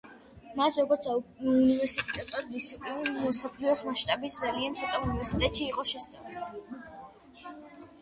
მას როგორც საუნივერსიტეტო დისციპლინას მსოფლიოს მასშტაბით ძალიან ცოტა უნივერსიტეტში თუ შეისწავლიან.